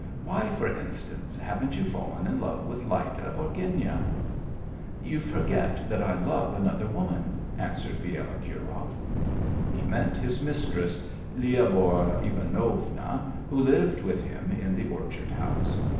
Why, for instance, haven't you fallen in love with Lyda or Genya?" "You forget that I love another woman," answered Bielokurov. He meant his mistress, Lyabor Ivanovna, who lived with him in the orchard house.